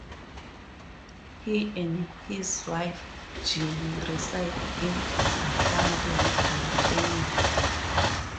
He and his wife Ginny reside in Atlanta with their family.